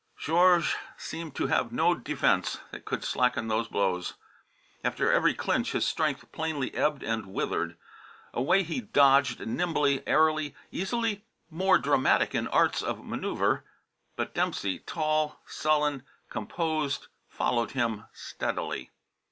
Georges seemed to have no defence that could slacken those blows. After every clinch his strength plainly ebbed and withered. Away, he dodged nimbly, airily, easily more dramatic in arts of manoeuvre. But Dempsey, tall, sullen, composed, followed him steadily.